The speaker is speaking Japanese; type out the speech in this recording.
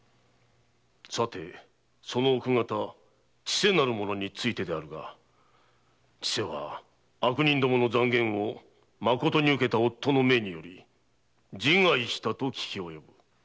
さてその奥方・千世なる者についてだが千世は悪人どもの讒言を真に受けた夫の命により自害したと聞き及ぶ。